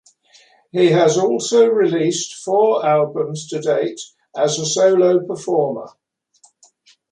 He has also released four albums to date as a solo performer.